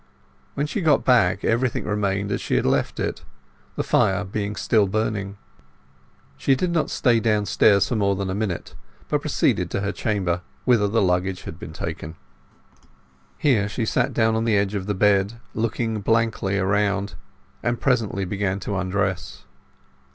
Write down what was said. When she got back, everything remained as she had left it, the fire being still burning. She did not stay downstairs for more than a minute, but proceeded to her chamber, whither the luggage had been taken. Here she sat down on the edge of the bed, looking blankly around, and presently began to undress.